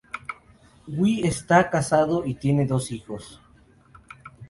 Wi Está casado y tiene dos hijos.